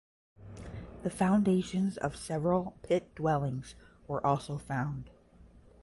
The foundations of several pit dwellings were also found.